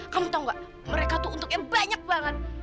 kamu tahu gak mereka tuh untuknya banyak banget